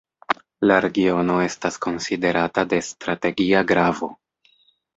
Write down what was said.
La regiono estas konsiderata de strategia gravo.